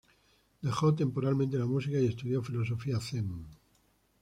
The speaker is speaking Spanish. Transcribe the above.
Dejó temporalmente la música y estudió filosofía Zen.